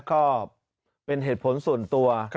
ก็เป็นเหตุผลส่วนตัว